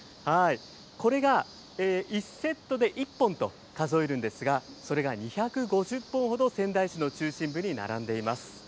これが１セットで１本と数えるんですが、それが２５０本ほど、仙台市の中心部に並んでいます。